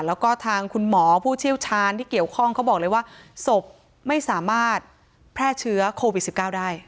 แล้วก็ทางคุณหมอผู้เชี่ยวชาญที่เกี่ยวข้องเขาบอกเลยว่าศพไม่สามารถแพร่เชื้อโควิด๑๙ได้